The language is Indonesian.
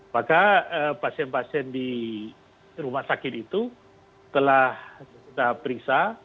maka pasien pasien di rumah sakit itu telah kita periksa